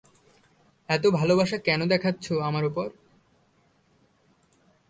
এত ভালোবাসা কেন দেখাচ্ছো আমার উপর?